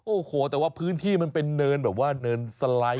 โอ้โหแต่ว่าพื้นที่มันเป็นเนินแบบว่าเนินสไลด์